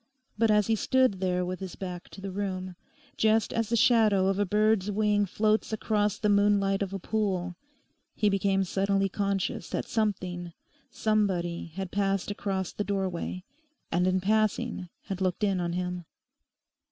But as he stood there with his back to the room, just as the shadow of a bird's wing floats across the moonlight of a pool, he became suddenly conscious that something, somebody had passed across the doorway, and in passing had looked in on him.